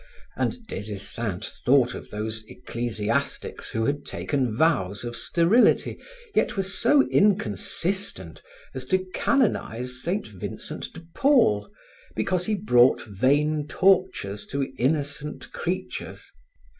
And Des Esseintes thought of those ecclesiastics who had taken vows of sterility, yet were so inconsistent as to canonize Saint Vincent de Paul, because he brought vain tortures to innocent creatures.